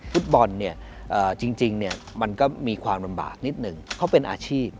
ฟุตบอลเนี่ยจริงมันก็มีความลำบากนิดหนึ่งเขาเป็นอาชีพ